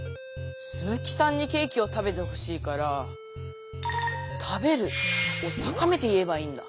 スズキさんにケーキを食べてほしいから「食べる」を高めて言えばいいんだ。